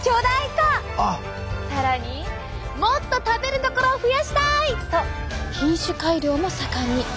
更にもっと食べるところを増やしたいと品種改良も盛んに。